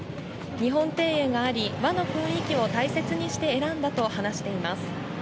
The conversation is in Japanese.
日本庭園があり、和の雰囲気を大切にして選んだと話しています。